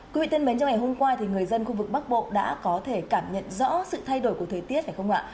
quý vị thân mến trong ngày hôm qua thì người dân khu vực bắc bộ đã có thể cảm nhận rõ sự thay đổi của thời tiết phải không ạ